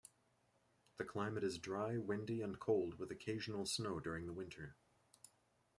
The climate is dry, windy and cold, with occasional snow during the winter.